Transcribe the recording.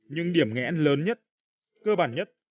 nhưng điểm nghẽn lớn nhất cơ bản nhất